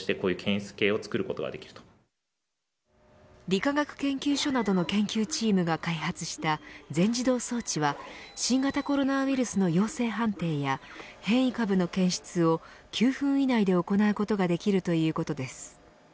理化学研究所などの研究チームが開発した全自動装置は新型コロナウイルスの陽性判定や変異株の検出を９分以内で行うことができるということです。